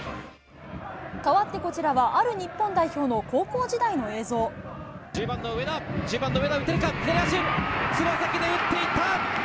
変わってこちらはある日本代１０番の上田、１０番の上田、打てるか、左足、つま先で打っていった。